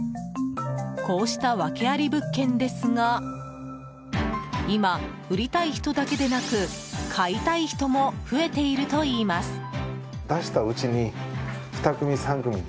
こうした訳あり物件ですが今、売りたい人だけでなく買いたい人も増えているといいます。